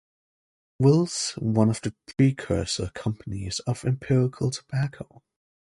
Wills, one of the precursor companies of Imperial Tobacco.